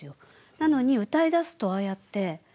なのに歌いだすとああやって。